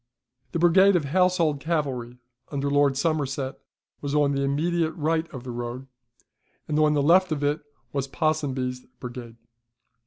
The brigade of household cavalry under Lord Somerset was on the immediate right of the road, and on the left of it was Ponsonby's brigade.